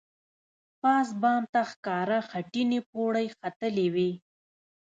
پاس بام ته ښکاره خټینې پوړۍ ختلې وې.